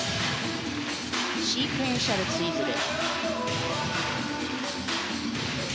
シークエンシャルツイズル。